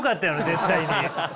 絶対に！